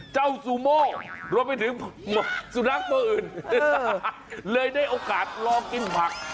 ซูโม่รวมไปถึงสุนัขตัวอื่นเลยได้โอกาสลองกินผัก